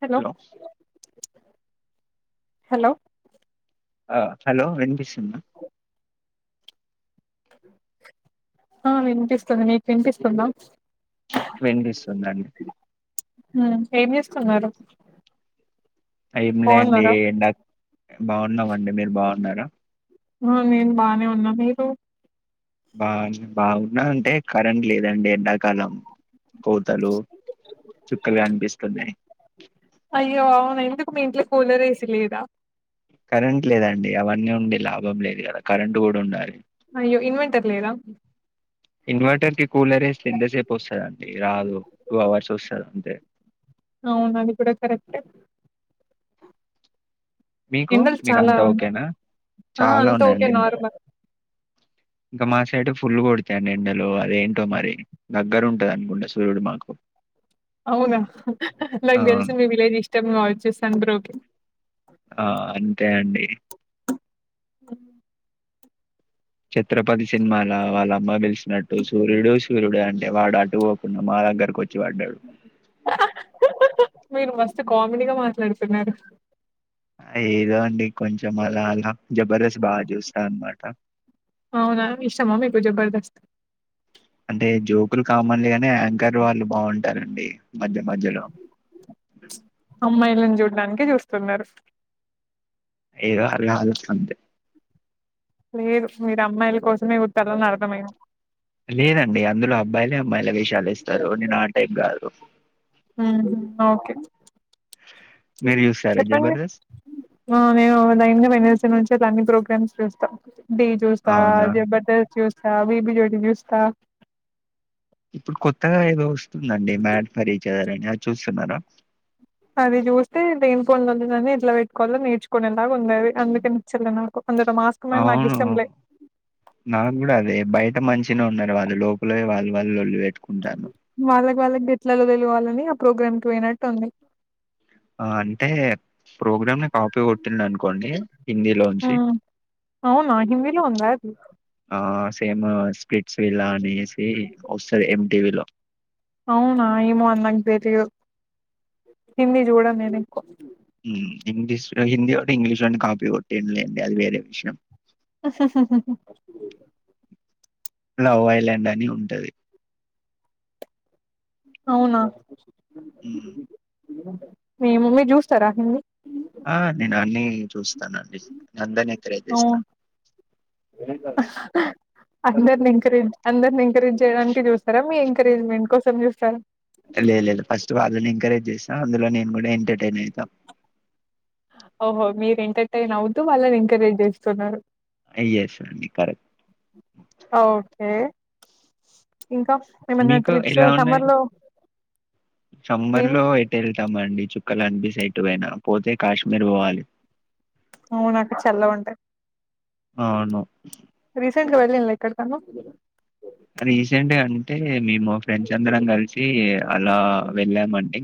Hello hello ఆ hello వినిపిస్ ఆ వినిపిస్తుంది నీకు వినిపిస్తుందా వినిపిస్తుందండి ఉమ్ ఏం చేస్తున్నారు టైం లే అండి బాగున్నారా నా బాగున్నావండి మీరు బాగున్నారా ఆ నేను బానే ఉన్నా మీరు బాగ బాగున్నా అంటే కరెంట్ లేదండి ఎండాకాలం కోతలు చుక్కలు గనిపిస్తున్నాయి అయ్యో అవునా ఎందుకు మీ ఇంట్లో కూలర్ ఏసి లేదా కరెంట్ లేదండి అవన్నీ ఉండి లాభం లేదు కదా కరెంట్ కూడా ఉండాలి అయ్యో ఇన్వెటర్ లేదా ఇన్వర్టర్ కి కూలర్ ఎస్తే ఎంతసేపు వస్తుందండి రాదు టూ అవర్స్ వస్తది అంతే అవును అది కూడా కరెక్ట్ మీకు ఎండలు మీకు చాలా అంతా ఉన్నాయి ఓకేనా ఆ చాలా అంతా ఓకే ఉన్నాయండి మా నార్మల్ ఇంకా మా సైటు ఫుల్లు కొడతాయండి ఎండలో అదేంటో మరి దగ్గర ఉంటది అనుకుంటా సూర్యుడు మాకు అవునా నాకు ఆ తెలిసి మీ విలేజ్ ఇష్టం కావచ్చు సన్ బ్రోకి ఆ అంతే అండి హ ఛత్రపతి సినిమాల వాళ్ళ అమ్మా పిలిచినట్టు సూర్యుడు సూర్యుడు అంట అంటే వాడు అటు పోకుండా మా దగ్గరకు వచ్చి పడ్డాడు మీరు మస్త్ కామెడీగా మాట్లాడుతున్నారు ఏదో అండి కొంచెం అలా అలా జబర్దస్త్ బాగా చూస్తా అన్నమాట అవునా ఇష్టమా మీకు జబర్దస్త్ అంటే జోకులు కామన్లీగానే యాంకర్ వాళ్ళు బాగుంటారండి మధ్య మధ్యలో అమ్మాయి దానికే చూస్తున్నారు ఏదో అలా అలా అంతే లేదు మీరు అమ్మాయిల కోసమే చూత్తరని అర్థమైయింది లేదండి అందులో అబ్బాయిలే అమ్మాయిల విషాలు ఇస్తారు నేను ఆ టైప్ కాదు ఉ హ్మ్మ్ ఓకే మీరు చూస్తారా చెప్పండి జబర్దస్త్? నేను [unintelligible] ప్రోగ మ్స్ చూస్త డీ చూస్తా అవునా! జబర్దస్ చూస్తా బిబి జోడి చూస్తా ఇప్పుడు కొత్తగా య చూస్తున్నారా అది చూస్తే [inaudible] ఎట్లా పెట్టుకోవాలో నేర్చుకునేలాగా ఉంది అది అందుకే నచ్చలే నాకు అందులో మాస్క్ మ్యాన్ నాకు అవును ఇష్టం లే నాకు కూడా అదే బయట మంచినే ఉన్నారు వాళ్లు లోప ళ్ వాల్ వాల్ లొల్లి పె వాళ్ళకి వాళ్ళకి గెట్లలో తెలివాలని ఆ ప్రోగ్రామ్కి పోయినట్టు ఉంది ఆ అంటే ప్రోగ్రామ్ ని కాపీ కొట్టింది అనుకోండి హిందీలోంచి ఉమ్ అవునా హిందీలో ఉందా అది ఆ సేమ్ స్క్రిట్ లా అనేసి వస్తది ఎం టివిలో అవునా ఏమో అది నాకు తెలీదు హిందీ జూడను నేను ఎకువ ఇంగ్లీష్ హిందీవోడు ఇంగ్లీషోడ్ని కాపీ కొట్టిండు లే అది వేరే విషయం లవ్ ఐలాండ్ అని ఉంటది అవునా ఉమ్ మేము మీరు చూస్తారా హింది ఆ నేను అన్ని చూస్తానండి అందరినీ ఎంకరేజ్ అవు జేస్తా అందరిని ఎంకరేజ్ అందరిని ఎంకరేజ్ చేయడానికి చూస్తారా మీం ఎంకరేజ్మెంట్ కోసం చూస్తార లేదు లేదు ఫస్ట్ వాళ్ళని ఎంకరేజ్ చేస్తా అందులో నేను కూడా ఎంటర్టైన్ అవుతా ఓహో మీరు ఎంటర్టైన్ అవుతూ వాళ్ళని ఎంకరేజ్ చేస్తున్నారు హా యస్ అండి కరెక్ట్. ఓకే ఇంకా ఏమన్నా ట్రిప్స్ సమ్మర్ లో సంబర్ ఏం లో ఎటెళ్తామండి. చుక్కలు కనిపిసేట్టు పోయినా పోతే కాశ్మీర్ పోవాలి. అవునక్కడ చల్లగుంటది. అవును రీసెంట్ గా వెళ్ళిళ్ళ ఎక్కడికన్న రీసెంట్ అంటే మేము ఫ్రెండ్స్ అందరం కలిసి అలా వెళ్ళామండి.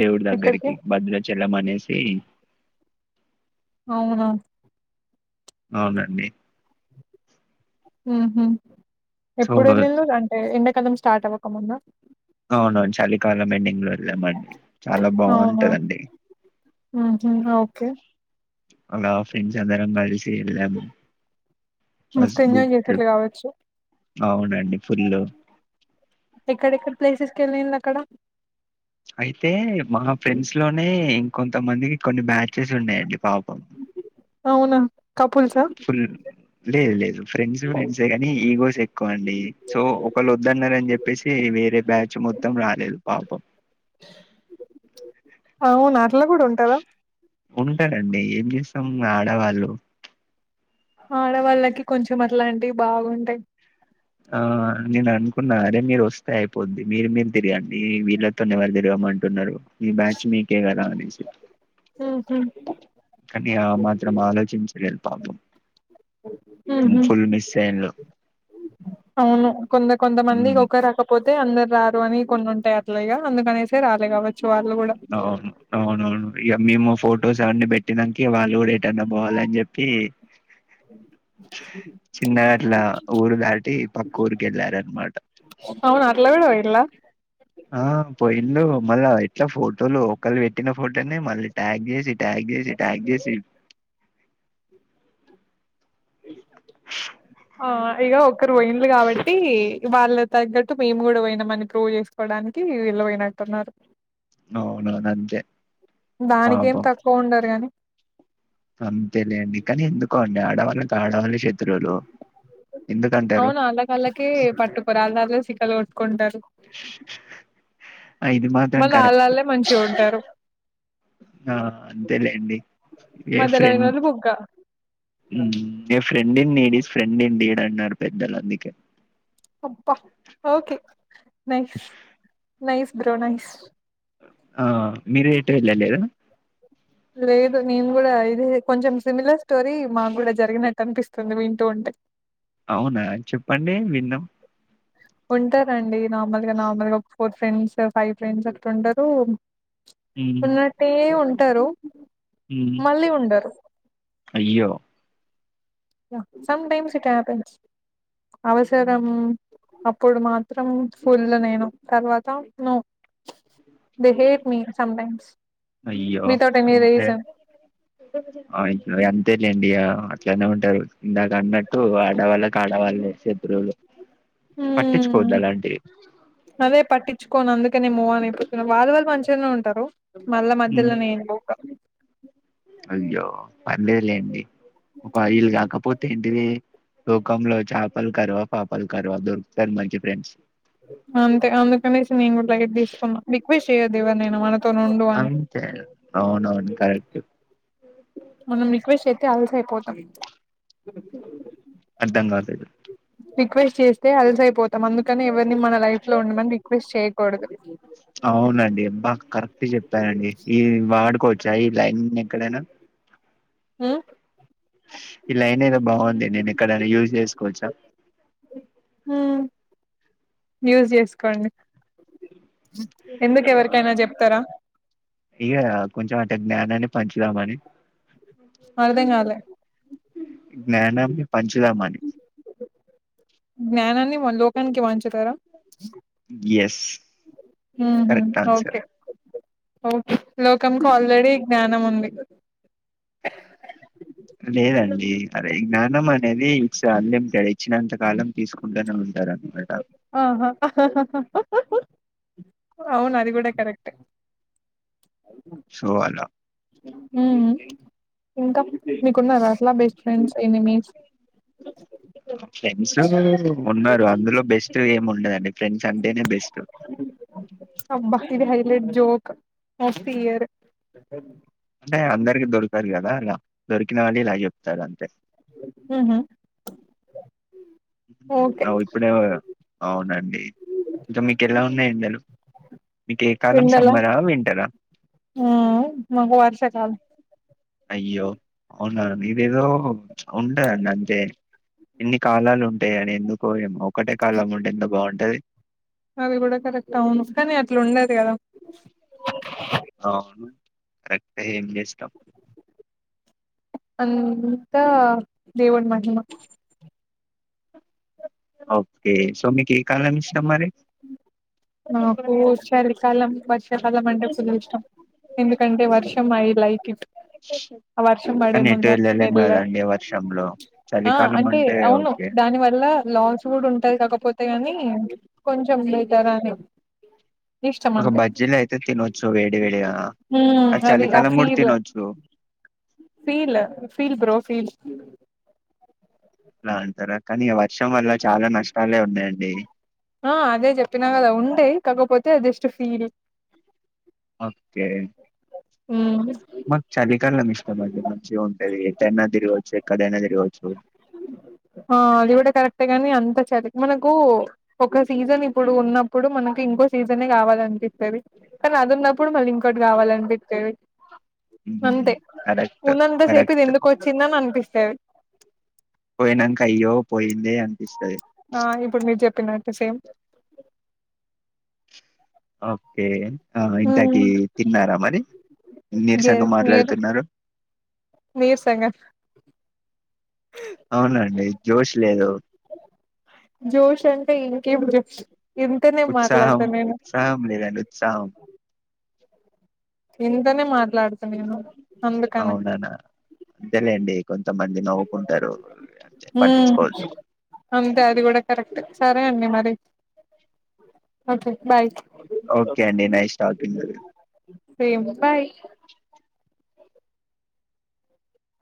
దేవుడి ఎక్కడికి దగ్గరికి భద్రాచలం అనేసి. అవునా అవునండి హ్మ్ హు సో ఎప్పుడు వెళ్ళిళ్ళు అంటే ఎండకాలం స్టార్ట్ అవ్వక ముందా అవునండ్ చలికాలం ఎండింగ్. వెళ్ళామండి చాలా అవునా బాగుంటందండి. ఊహూ ఓకే అలా ఫ్రెండ్స్ అందరం కలిసి వెళ్ళాం. ఫస్ మస్తు గుడ్ ఎంజాయ్ చేసిర్రు ట్రిప్ కావచ్చు అవునండి ఫుల్. ఎక్కడెక్కడ ప్లేసెస్ కెళ్ళిళ్ళు అక్కడ. అయితే మా ఫ్రెండ్స్ లోనే కొంతమందికి కొన్ని బ్యాచెస్ ఉన్నాయండి పాపం. అవునా కపుల్సా ఫుల్ లేదు లేదు ఫ్రెండ్స్ ఫ్రెండ్సే కానీ ఈగోస్ ఎక్కువ అండి సో ఒకళ్ళు వద్దన్నారు అని చెప్పేసి వేరే బ్యాచ్ మొత్తం రాలేదు పాపం. అవునా అట్ల కూడా ఉంటదా. ఉంటారండి ఏం చేసాం ఆడవాళ్ళు. ఆడవాళ్ళకి కొంచెం అట్లాంటివి బాగుంటాయి. ఆ నేను అనుకున్నా అరే మీరు వస్తే అయిపోద్ది మీరు మీరు తిరగండి వీళ్ళతోనేవ తిరిగమన్ మంటున్నరు మీ బ్యాచ్ మీకే కదా అనేసి. ఉహు కానీ ఆ మాత్రం ఆలోచించ లేదు పాపం. ఉహు ఫుల్ మిస్ అయిన్లు. కొంత కొంతమంది ఒక రాకపోతే అందరు రారు అని కొన్ని ఉంటాయి అట్లగా అందుకనేస రాలే కావచ్చు. వాళ్ళు కూడా అవును అవునవును ఇక మేము ఫోటోస్ అవన్నీ పెట్టినంక వాళ్ళు కూడా ఏటన్నా పోవాలని చెప్పి. చిన్నగట్లా ఊరు దాటి పక్కూరికి వెళ్ళారనమాట. హలో ఆ పోయిండ్లు మళ్ళా ఎట్లా ఫోటోలు ఒకళ్ పెట్టిన ఫోటోనే మళ్ళీ ట్యాగ్ చేసి ట్యాగ్ తీసి ట్యాగ్ చేసి ఆ ఇక ఒక్కరు పోయిండ్లు కాబట్టి వాళ్ళ తగ్గట్టు మేము కూడా పోయినమని ప్రూవ్ చేసుకోవడానికి వీల్లు పోయినట్టున్నరు. అవును అంతే. దానికి ఏం తక్కువ ఉండదు కనీ. అంత తెలిండి కానీ ఎందుకో అండి ఆడవాళ్ళకి ఆడవాళ్ళె శత్ అవును అళ్లకాళ్ళకె పట్టుకోరా అదర్లు శికలు కొట్టుకుంటారు. ఇది మాత్రం మళ్ళీ కరెక్ట్ ఆళ్ళాళ్ళే మంచిగా ఉంటారు ఆ అంత్ ంతెలేండి మీర్ మధ్యలో ఫ్రెండ్ పోయినోళ్ళు బుగ్గ హ్మ్ మీ ఫ్రెండిని మీ ఫ్రెండ్ ఇండిడ్ అన్నారు పెద్దలు అందుకే. అబ్బ okay nice nice bro nice ఆ మీరు ఎటు వెళ్ళలేద లేదు నేను కూడా ఇది కొంచెం సిమిలర్ స్టోరీ మాకు కూడా జరిగినట్టు అనిపిస్తుంది వింటూ ఉంటే అ అవునా చెప్పండి విందాం ఉంటారండి నార్మల్గా నార్మల్ గా ఒక ఫోర్ ఫ్రెండ్స్ ఫైవ్ ఫ్రెండ్స్ అట్ల ఉంటారు ఉమ్ ఉన్నట్టే ఉంటారు మళ్ళీ ఉండరు. అయ్యో సమ్ టైమ్స్ ఇట్ హేపెన్స్ అవసరం అప్పుడు మాత్రం ఫుల్లు నేను తర్వాత నో బిహేవ్ మీ సమ్టైమ్స్ అయ్యో అంతే అంతే లేండియ అట్లానే ఉంటారు ఇందాక అన్నట్టు ఆడవాళ్ళకి ఆడవాళ్ళే శత్రువులు హ్మ్ పట్టించుకోవద్దు అలాంటివి పట్టించ్చుకోను అందుకనే మూవాన్ అయిపోతున్నా వాళ్ళు వాళ్ళు మంచిగానే ఉంటారు మళ్ళ మధ్యలో ఉమ్. నేను పోక అయ్యో పర్లేదులేండి ఈళ్ళు కాకపోతే ఏంటిది లోకం లో చేపలు కరువా పాపలు కరువా దొరుకుతారు మంచి ఫ్రెండ్స్ అంతే అందుకనేసి నేను కూడా లైట్ తీసుకున్నా రిక్వెస్ట్ చేయద్దు ఎవరినైనా మనతోని ఉండు అని అంతే అవునవును కరెక్టే మనం రిక్వెస్ట్ చేస్తే అలుసైపోతాం అర్థం కాలేదు రిక్వెస్ట్ చేస్తే అలుసైపోతాం అందుకని ఎవరిని మన లైఫ్ లో ఉండమని రిక్వెస్ట్ చేయకూడదు అవునండి అబ్బ కరెక్ట్ చెప్పారండి ఈ వాడు కొ చాయి తాగిందెక్కడైన హ్మ్ ఈ లైనేదో బాగుంది నేను ఎక్కడైనా యూజ్ చేసుకోవచ్చా హ్మ్ యూస్ చేసుకోండి ఎందుకు ఎవరికైనా చెప్తారా యా కొంచెం అట్ట జ్ఞానాన్ని పంచుదామని అర్థం కాలే జ్ఞానాన్ని పంచుదామని జ్ఞానాన్ని మన లోకానికి పంచి ఎస్ ఊహూ కరెక్ట్ ఆన్సర్. ఓకేఓకే లోకంకి ఆల్రెడీ జ్ఞానం ఉంది లేదండి అదే జ్ఞానం అనేది ఇస్ అన్లిమిటెడ్ ఇచ్చినంత కాలం తీసుకుంటానే ఉం టారన్నమాట ఆహా అవును అది కూడా కరెక్టే సోవాల హ్మ్ ఇంకా మీకున్నారా అట్లా బెస్ట్ ఫ్రెండ్స్ ఎనిమీస్ ఫ్రెండ్స్ ఉన్నారు అందులో బెస్ట్ ఏం ఉండదండి ఫ్రెండ్స్ అంటేనే బెస్ట్ అబ్బా ఇది highlight joke of the year దొరకిన వాళ్ళు ఇలా చెప్తారంతే ఊ హూ అ ఇప్పుడే అవునండి ఇంకా మీకు ఎలా ఉన్నాయి ఎండలు మీకు ఏ కాలం ఎండలా సమ్మరా వింటరా మ్మ్ మాకు వర్షాకాలం అయ్యో అవునా మేమేదో ఉంటా అండి అంతే ఎన్ని కాలాలు ఉంటాయి అని ఎందుకో ఏమో ఒకటే కాలము ఉంటే ఎంత బాగుంటది అది కూడా కరెక్ట్ అవును కానీ అట్లా ఉండది కదా అవును కట్టే ఎండ వేసేటప్పు అంతా దేవుని మహిమ ఓకే సో మీకు ఏ కాలం ఇష్టం మరి నాకు చలికాలం వర్షాకాలం అంటే ఫుల్ ఇష్టం ఎందుకంటే వర్షం ఐ లైక్ ఇట్ ఆ వర్షం పడే కానీ ఎటు ముందు ఆ వెళ్ళలేం సమ్మెల్ కదండి వర్షంలో ఆ చలికాలం అంటే అవును ఓకే దాని వల్ల లాస్ కూడా ఉంటాది కాకపోతే కాని కొంచెం బెటర్ అని ఇష్టం ఒక అంతే బజ్జీలో అయితే తినొచ్చు వేడి వేడిగా మ్మ్ అయి అది ఆ చలికాలం కూడా ఫీల్ తినొచ్చు ఫీల్ ఫీల్ బ్రో ఫీల్ అలా అంటారా కానీ వర్షం వల్ల చాలా నష్టాలే ఉన్నాయండి తే జస్ట్ ఫీల్ ఓకే హు మాకు చలికాలం ఇష్టం అండి మంచిగా ఉంటుది ఎటైనా తిరగొచ్చు ఎక్కడైనా తిరుగొచ్చు ఆ అది కూడా కూడా కరెక్ట్ చలి మనకు ఒక సీజన్ ఇప్పుడు ఉన్నప్పుడు మనకి ఇంకో సీజనే కావాలనిపిస్తుంది కానీ అది ఉన్నప్పుడు మళ్ళీ ఇంకోటి రావాలనిపిస్తది మ్మ్. అంతే కరెక్ట్ ఉన్నంత సేపు ఇది కరెక్ట్ ఎందుకు వచ్చిందని అని అనిపిస్తది పోయినాక అయ్యో పోయిందే అనిపిస్తది ఆ ఇప్పుడు మీరు చెప్పినట్టు సేమ్ ఓకే ఆ ఇంతకి తిన్నారా మరి నిరసంగా ఎస్ మీరు మాట్లాడుతున్నారు నీరసంగా అవునండి జోష్ లేదు జోష్ అంటే ఇంకేం జోష్ ఇంతనే ఉత్సాహం మాట్లాడతా నేను ఉత్సాహం లేదడి ఉత్సాహం ఇంతనే మాట్లాడుతా నేను అందుకనే అవుననా అంతేలేండి కొంతమంది నవ్వుకుంటారు హ్మ్. పట్టించుకోవద్దు అంతే అది కూడా కరెక్ట్ సరే అండి మరి ఓకే బాయ్ ఓకే అండి నైస్ టాకింగ్ సేమ్ బాయ్